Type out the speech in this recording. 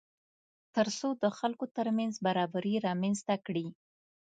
تر څو د خلکو ترمنځ بېباوري رامنځته کړي